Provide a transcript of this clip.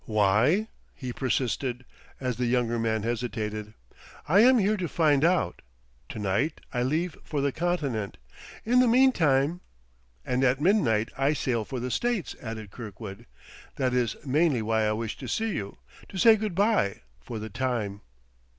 "Why?" he persisted, as the younger man hesitated. "I am here to find out. To night I leave for the Continent. In the meantime ..." "And at midnight I sail for the States," added Kirkwood. "That is mainly why I wished to see you to say good by, for the time."